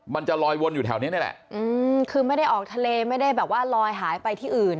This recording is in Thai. มันจะลอยวนอยู่แถวนี้นี่แหละอืมคือไม่ได้ออกทะเลไม่ได้แบบว่าลอยหายไปที่อื่น